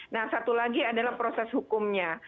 nah satu lagi adalah proses hukumnya